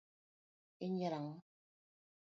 Inyiero ang’o?